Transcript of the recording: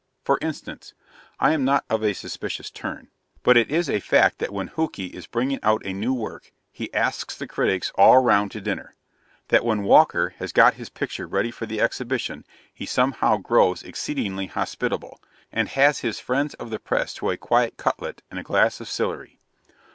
For instance, I am not of a suspicious turn; but it IS a fact that when Hookey is bringing out a new work, he asks the critics all round to dinner; that when Walker has got his picture ready for the Exhibition, he somehow grows exceedingly hospitable, and has his friends of the press to a quiet cutlet and a glass of Sillery.